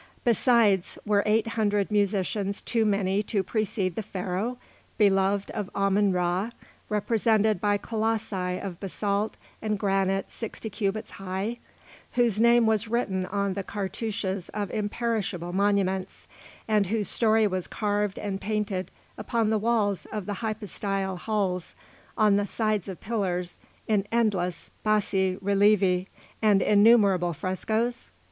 Besides, were eight hundred musicians too many to precede the Pharaoh, beloved of Ammon Ra, represented by colossi of basalt and granite sixty cubits high, whose name was written on the cartouches of imperishable monuments, and whose story was carved and painted upon the walls of the hypostyle halls, on the sides of pillars, in endless bassi relievi and innumerable frescoes?